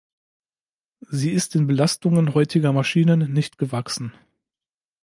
Sie ist den Belastungen heutiger Maschinen nicht gewachsen.